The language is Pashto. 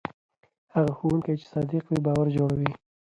هغه ښوونکی چې صادق وي باور جوړوي.